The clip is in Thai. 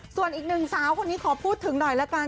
ส่วนอีกหนึ่งสาวคนนี้ขอพูดถึงหน่อยละกัน